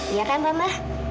iya kan tante